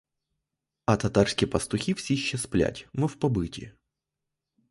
А татарські пастухи всі ще сплять, мов побиті.